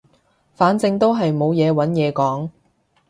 反正都係冇嘢揾嘢講